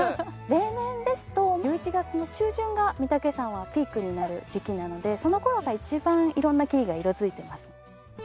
例年ですと１１月の中旬が御岳山はピークになる時期なのでその頃が一番色んな木々が色付いています。